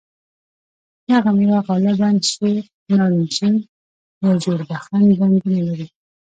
دغه مېوه غالباً سور، نارنجي یا ژېړ بخن رنګونه لري.